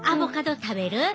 食べるよ。